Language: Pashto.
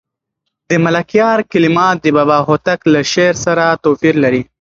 د ملکیار کلمات د بابا هوتک له شعر سره توپیر لري.